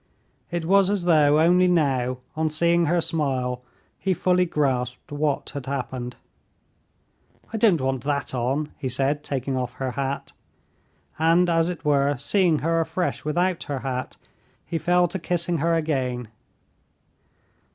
It was as though only now, on seeing her smile, he fully grasped what had happened. "I don't want that on," he said, taking off her hat. And as it were, seeing her afresh without her hat, he fell to kissing her again.